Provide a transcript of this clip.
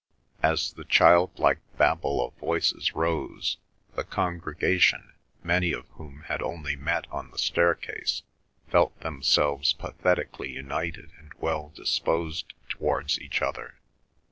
As the childlike battle of voices rose, the congregation, many of whom had only met on the staircase, felt themselves pathetically united and well disposed towards each other.